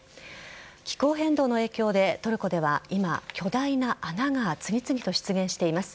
気候変動の影響でトルコでは今巨大な穴が次々と出現しています。